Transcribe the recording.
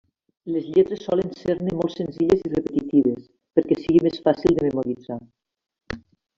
Les lletres solen ser-ne molt senzilles i repetitives, perquè sigui més fàcil de memoritzar.